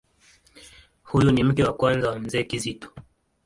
Huyu ni mke wa kwanza wa Mzee Kizito.